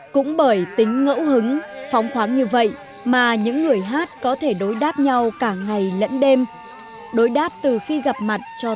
cũng bởi tính ngẫu hứng phong khoáng như vậy mà những người hát có thể đối đáp nhau cả ngày lẫn đêm